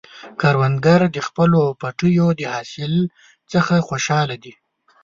کروندګر د خپلو پټیو د حاصل څخه خوشحال دی